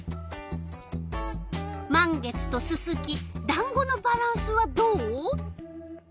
満月とススキだんごのバランスはどう？